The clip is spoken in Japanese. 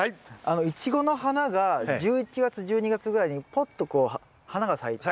イチゴの花が１１月１２月ぐらいにぽっとこう花が咲いて。